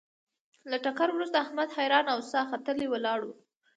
له ټکر ورسته احمد حیران او ساه ختلی ولاړ و.